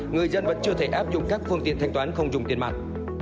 người dân vẫn chưa thể áp dụng các phương tiện thanh toán không dùng tiền mặt